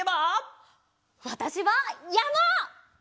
わたしはやま！